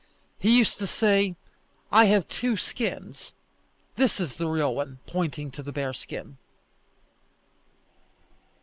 He used to say, "I have two skins; this is the real one," pointing to the bearskin.